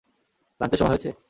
লাঞ্চের সময় হয়েছে?